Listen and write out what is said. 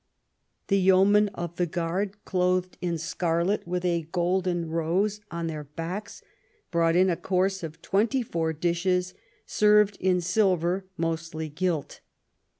The Yeomen of the Guard, clothed in scarlet, with a golden rose on their backs, brought in a course of twenty four dishes, served in silver, mostly gilt.